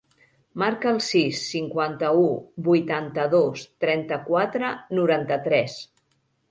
Marca el sis, cinquanta-u, vuitanta-dos, trenta-quatre, noranta-tres.